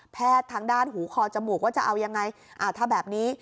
ทางด้านหูคอจมูกว่าจะเอายังไงอ่าถ้าแบบนี้